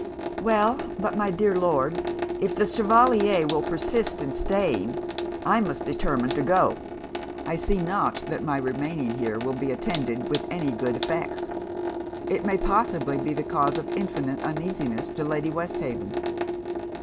'Well, but my dear Lord, if the Chevalier will persist in staying, I must determine to go. I see not that my remaining here will be attended with any good effects. It may possibly be the cause of infinite uneasiness to Lady Westhaven.